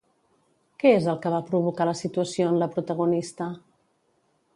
Què és el que va provocar la situació en la protagonista?